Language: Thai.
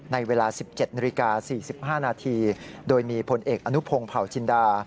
ในเวลา๑๗นาฬิกา๔๕นาทีโดยมีผลเอกอนุพงศ์เผาจินดา